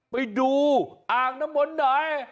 ไปดูอ่างน้ำวรหน่อย